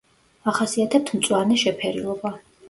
ახასიათებთ მწვანე შეფერილობა.